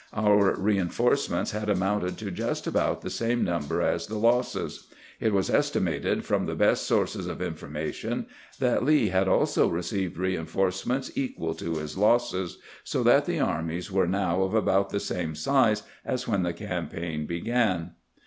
Our reinforcements had amounted to just about the same number as the losses. It was estimated from the best sources of information that Lee had also received rein forcements equal to his losses, so that the armies were now of about the same size as when the campaign began.